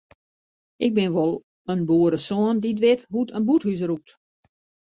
Ik bin wol in boeresoan dy't wit hoe't in bûthús rûkt.